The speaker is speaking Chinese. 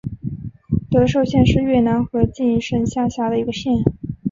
德寿县是越南河静省下辖的一个县。